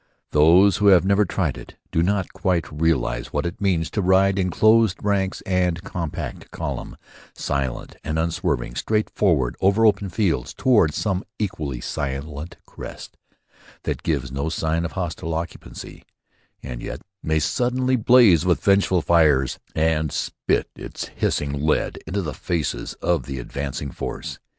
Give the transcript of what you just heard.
Those who have never tried it, do not quite realize what it means to ride in closed ranks and compact column, silent and unswerving, straight forward over open fields toward some equally silent crest, that gives no sign of hostile occupancy, and yet may suddenly blaze with vengeful fires and spit its hissing lead into the faces of the advancing force.